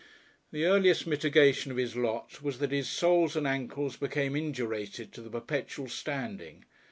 The earliest mitigation of his lot was that his soles and ankles became indurated to the perpetual standing.